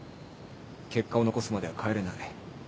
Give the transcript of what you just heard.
結果を残すまでは帰れない。